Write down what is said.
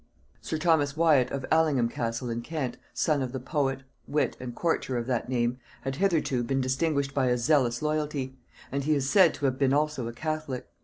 Sir Thomas Wyat of Allingham Castle in Kent, son of the poet, wit, and courtier of that name, had hitherto been distinguished by a zealous loyalty; and he is said to have been also a catholic.